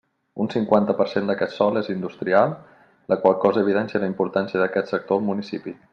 Un cinquanta per cent d'aquest sòl és industrial, la qual cosa evidencia la importància d'aquest sector al municipi.